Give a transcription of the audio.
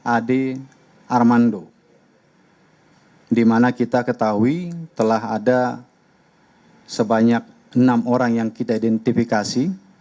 ade armando di mana kita ketahui telah ada sebanyak enam orang yang kita identifikasi